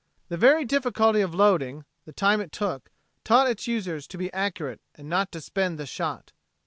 The very difficulty of loading the time it took taught its users to be accurate and not spend the shot.